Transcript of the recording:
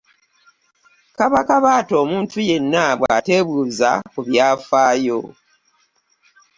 Kaba kabaate omuntu yenna bwateebuuza ku byafaayo